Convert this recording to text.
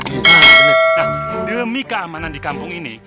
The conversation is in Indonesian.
nah demi keamanan di kampung ini